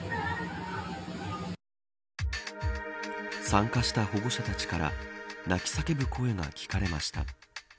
参加した保護者たちから泣き叫ぶ声が聞かれました。